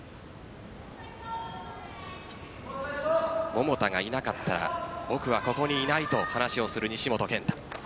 桃田がいなかったら僕はここにいないと話をする西本拳太。